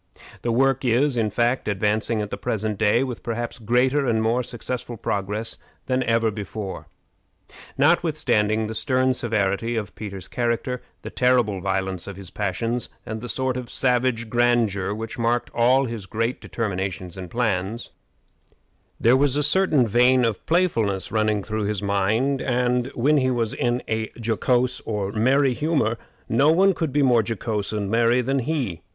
The work is, in fact, advancing at the present day with perhaps greater and more successful progress than ever before. Notwithstanding the stern severity of Peter's character, the terrible violence of his passions, and the sort of savage grandeur which marked all his great determinations and plans, there was a certain vein of playfulness running through his mind; and, when he was in a jocose or merry humor, no one could be more jocose and merry than he.